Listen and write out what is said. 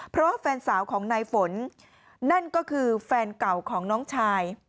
เพราะแฟนสาวของนายฝนนั่นก็คือแฟนเก่าของน้องชาย